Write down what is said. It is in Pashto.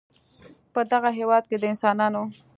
په دغه هېواد کې د انسانانو